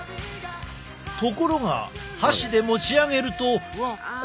ところが箸で持ち上げるとこのとおり。